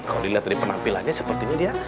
kalau dilihat dari penampilannya sepertinya dia